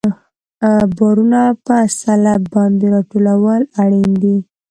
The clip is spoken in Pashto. بارونه په سلب باندې راټولول اړین دي